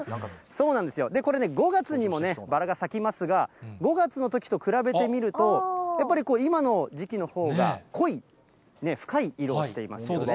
これね、５月にもバラが咲きますが、５月のときと比べてみると、やっぱりこう今の時期のほうが濃い、深い色をしていますよね。